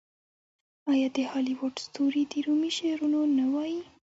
آیا د هالیووډ ستوري د رومي شعرونه نه وايي؟